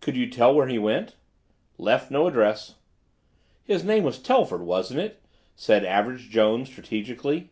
"Could you tell where he went?" "Left no address." "His name was Telford, wasn't it?" said Average Jones strategically.